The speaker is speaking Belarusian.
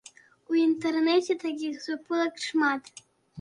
У інтэрнэце такіх суполак шмат.